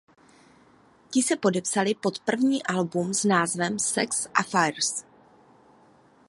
Ti se podepsali pod první album s názvem "Sex Affairs".